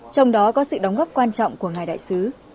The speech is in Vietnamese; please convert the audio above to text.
trong đó có sự đóng góp quan trọng của ngài đại sứ